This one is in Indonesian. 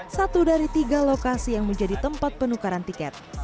satu dari tiga lokasi yang menjadi tempat penukaran tiket